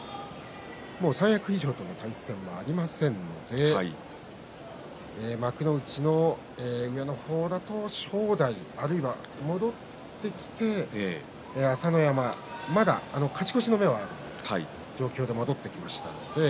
三役以上との対戦がありませんので幕内の上の方だと正代あるいは戻ってきた朝乃山勝ち越しの目はある状況で戻ってきました。